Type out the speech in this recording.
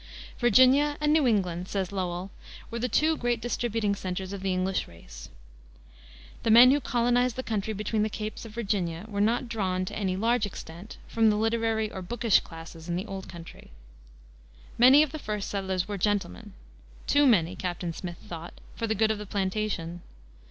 Virginia and New England, says Lowell, were the "two great distributing centers of the English race." The men who colonized the country between the Capes of Virginia were not drawn, to any large extent, from the literary or bookish classes in the Old Country. Many of the first settlers were gentlemen too many, Captain Smith thought, for the good of the plantation.